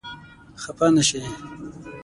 خپه نه شې.